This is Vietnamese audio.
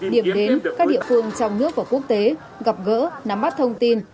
điểm đến các địa phương trong nước và quốc tế gặp gỡ nắm mắt thông tin